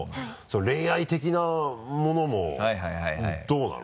恋愛的なものもどうなの？